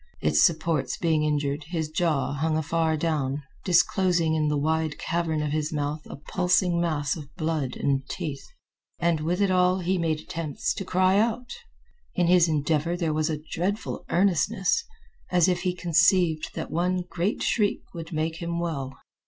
Its supports being injured, his jaw hung afar down, disclosing in the wide cavern of his mouth a pulsing mass of blood and teeth. And with it all he made attempts to cry out. In his endeavor there was a dreadful earnestness, as if he conceived that one great shriek would make him well.